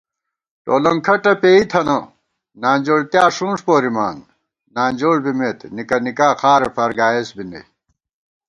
ٹولَنگ کھٹہ پېئی تھنہ، نانجوڑتیا ݭُونݭ پورِمان * نانجوڑ بِمېت نِکہ نِکا خارےفارگائیس بی نئ